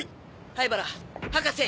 灰原博士